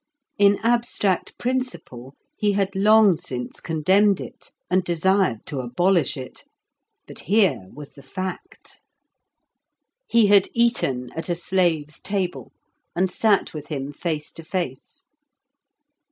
In abstract principle he had long since condemned it, and desired to abolish it. But here was the fact. He had eaten at a slave's table, and sat with him face to face.